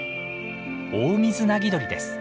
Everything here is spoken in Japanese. オオミズナギドリです。